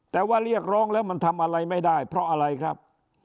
แต่ว่าเรียกร้องแล้วมันทำอะไรไม่ได้เพราะอะไรครับ